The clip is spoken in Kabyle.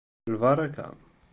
D lbaṛaka!